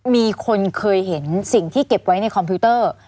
มีคนเคยเห็นสิ่งที่เก็บไว้ในคอมพิวเตอร์